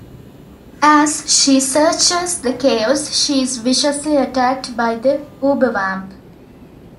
As she searches the caves, she's viciously attacked by the Ubervamp.